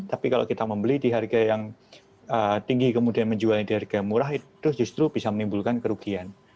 tapi kalau kita membeli di harga yang tinggi kemudian menjualnya di harga murah itu justru bisa menimbulkan kerugian